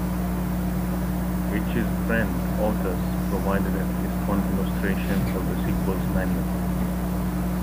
Reiche's friend, Otus, provided at least one illustration for the sequel's manual.